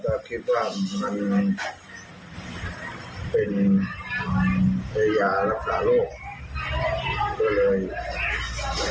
แต่ก็คิดว่ามันเป็นไอยารักษาโลกด้วยเลย